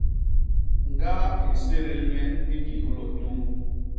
Ñgaa i nsédél nye i ñgi hôlôs nyuu.